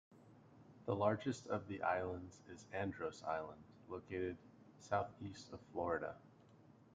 The largest of the islands is Andros Island, located southeast of Florida.